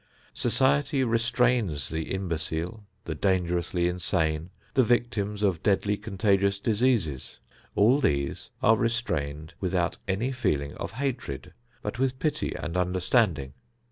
Society restrains the imbecile, the dangerously insane, the victims of deadly, contagious diseases. All these are restrained without any feeling of hatred, but with pity and understanding.